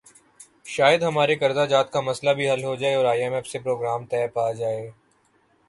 شاید ہمارے قرضہ جات کا مسئلہ بھی حل ہو جائے اور آئی ایم ایف سے پروگرام طے پا جائے۔